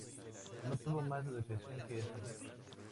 No tuvo más educación que esa.